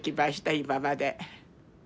今まで。